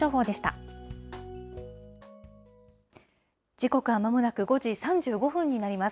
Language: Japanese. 時刻はまもなく５時３５分になります。